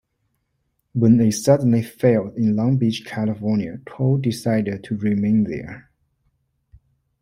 When it suddenly failed in Long Beach, California, Cole decided to remain there.